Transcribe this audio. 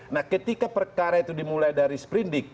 nah ketika perkara itu dimulai dari sprindik